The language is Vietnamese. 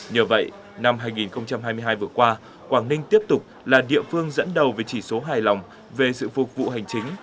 nhờ vậy năm hai nghìn hai mươi hai vừa qua quảng ninh tiếp tục là địa phương dẫn đầu về chỉ số hài lòng về sự phục vụ hành chính